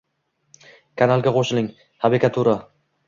Kanalga qo'shiling: habikatura